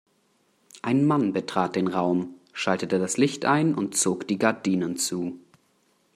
Ein Mann betrat den Raum, schaltete das Licht ein und zog die Gardinen zu.